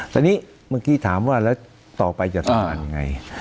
แต่เนี่ยคุณเมื่อกี้ถามว่าแล้วต่อไปจะได้ยังไง